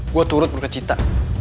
gue turut bu kecita